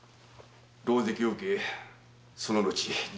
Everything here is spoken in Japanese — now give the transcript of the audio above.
狼藉を受けその後自害を。